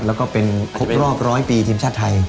แล้วก็เป็นครบรอบร้อยปีทีมชาติไทย